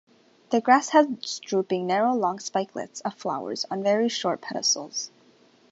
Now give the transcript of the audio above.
The grass has drooping narrow long spikelets of flowers on very short pedicels.